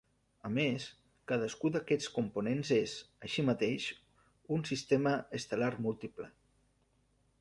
A més, cadascú d'aquests components és, així mateix, un sistema estel·lar múltiple.